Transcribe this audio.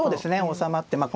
おさまってまあ